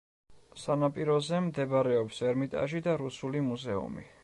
სანაპიროზე მდებარეობს ერმიტაჟი და რუსული მუზეუმი.